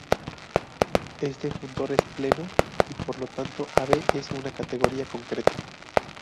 Este funtor es pleno y por lo tanto Ab es una categoría concreta.